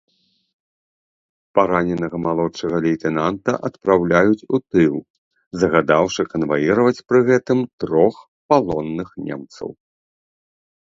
Параненага малодшага лейтэнанта адпраўляюць у тыл, загадаўшы канваіраваць пры гэтым трох палонных немцаў.